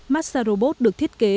massabot được thiết kế